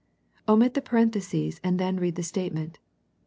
Omit the parenthesis, and then read the state ment.